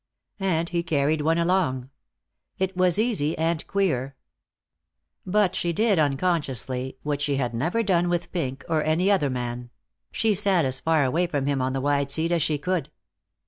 And he carried one along. It was easy and queer. But she did, unconsciously, what she had never done with Pink or any other man; she sat as far away from him on the wide seat as she could.